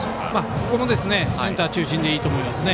ここもセンター中心でいいと思います。